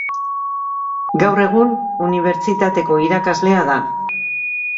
Gaur egun, unibertsitateko irakaslea da.